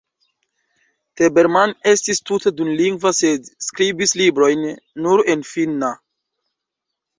Tabermann estis tute dulingva sed skribis librojn nur en finna.